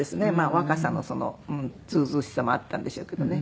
若さのずうずうしさもあったんでしょうけどね。